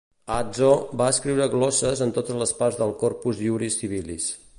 Azo va escriure glosses en totes les parts del "Corpus Iuris Civilis".